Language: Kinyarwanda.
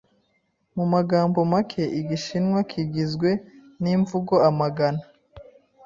Mu magambo make, Igishinwa kigizwe n'imvugo amagana.